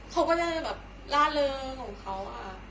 เขาก็จะราดเลิงของเขา